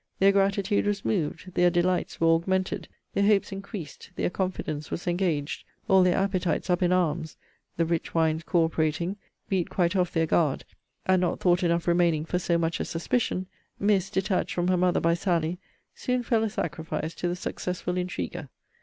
Their gratitude was moved, their delights were augmented, their hopes increased, their confidence was engaged, all their appetites up in arms; the rich wines co operating, beat quite off their guard, and not thought enough remaining for so much as suspicion Miss, detached from her mother by Sally, soon fell a sacrifice to the successful intriguer.